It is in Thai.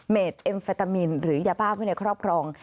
เอ็มเฟตามีนหรือยาบ้าไว้ในครอบครอง